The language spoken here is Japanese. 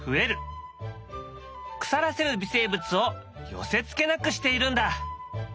腐らせる微生物を寄せつけなくしているんだ。